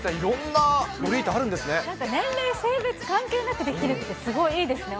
なんか年齢性別関係なくできるって、すごいいいですね。